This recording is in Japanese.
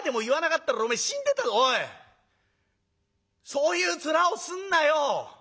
そういう面をすんなよ。